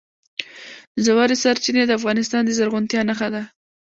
ژورې سرچینې د افغانستان د زرغونتیا نښه ده.